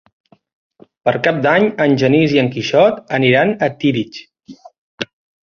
Per Cap d'Any en Genís i en Quixot aniran a Tírig.